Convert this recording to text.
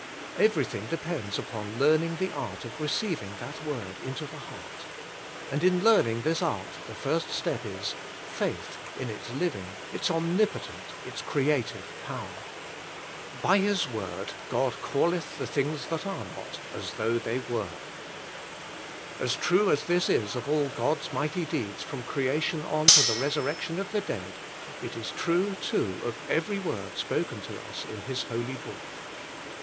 Everything depends upon learning the art of receiving that word into the heart. And in learning this art the first step is — Faith in Its Living, Its Omnipotent, Its Creative Power. By His word " God calleth the things that are not, as though they were." As true as this is of all God's mighty deeds from creation on to the resurrection of the dead, it is true too of every word spoken to us in His holy book.